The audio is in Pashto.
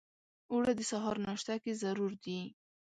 اوړه د سهار ناشته کې ضرور دي